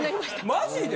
マジで！？